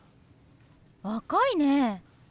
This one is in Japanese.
若いね！